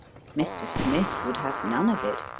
Mr. Smith would have none of it.